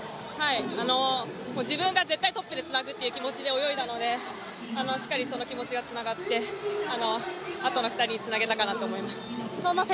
自分が絶対トップでつなぐという気持ちで泳いだのでしっかりその気持ちがつながってあとの２人につなげたかなと思います。